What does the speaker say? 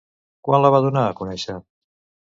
Quan la va donar a conèixer?